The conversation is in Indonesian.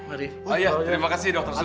ah iya terima kasih dokter suko